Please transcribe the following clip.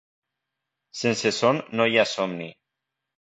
Sense son no hi ha somni.